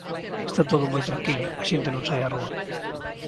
Está todo moi tranquilo, a xente non sae á rúa.